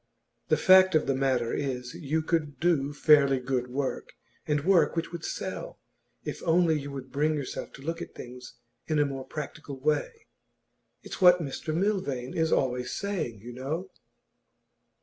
The fact of the matter is, you could do fairly good work, and work which would sell, if only you would bring yourself to look at things in a more practical way. It's what Mr Milvain is always saying, you know.